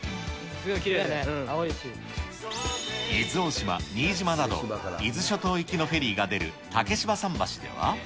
すごいきれいで、伊豆大島、新島など、伊豆諸島行きのフェリーが出る竹芝桟橋では。